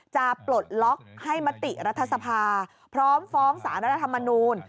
ปลดล็อกให้มติรัฐสภาพร้อมฟ้องสารรัฐธรรมนูล